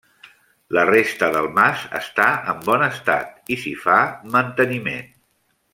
La resta del mas està en bon estat i s'hi fa manteniment.